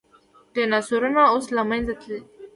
ډیناسورونه اوس له منځه تللي دي